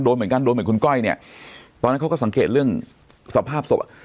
โดนเหมือนกันโดนเหมือนคุณก้อยเนี่ยตอนนั้นเขาก็สังเกตเรื่องสภาพศพอ่ะ